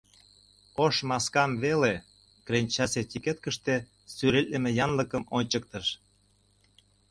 — «Ош маскам» веле, — кленчасе этикеткыште сӱретлыме янлыкым ончыктыш.